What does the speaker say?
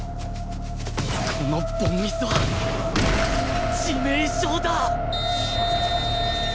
この凡ミスは致命傷だ！